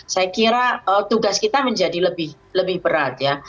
saya kira tugas kita menjadi lebih berat ya